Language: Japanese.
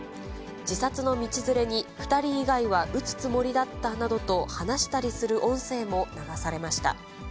自殺の道連れに２人以外は撃つつもりだったなどと話したりする音